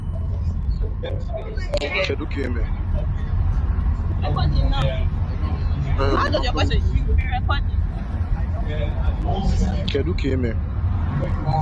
The book's title is taken from the first story in the collection.